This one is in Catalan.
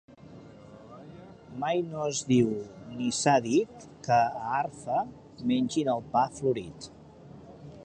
Mai no es diu, ni s'ha dit, que a Arfa mengin el pa florit.